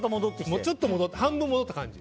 ちょっと戻ってきて半分戻った感じ。